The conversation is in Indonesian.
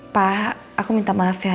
pak aku minta maaf ya